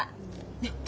ねっ。